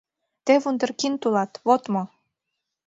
— Тый вундеркинд улат, вот мо!